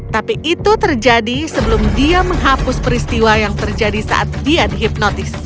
tapi itu terjadi sebelum dia menghapus peristiwa yang terjadi saat dian hipnotis